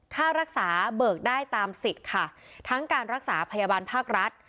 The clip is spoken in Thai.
ค่ารักษาเบิกได้ตามสิทธิ์ค่ะทั้งการรักษาพยาบาลภาครัฐ